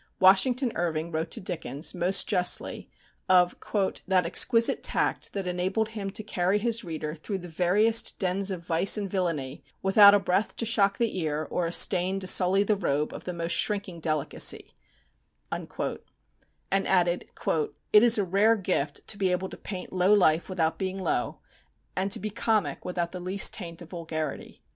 Washington Irving wrote to Dickens, most justly, of "that exquisite tact that enabled him to carry his reader through the veriest dens of vice and villainy without a breath to shock the ear or a stain to sully the robe of the most shrinking delicacy;" and added: "It is a rare gift to be able to paint low life without being low, and to be comic without the least taint of vulgarity."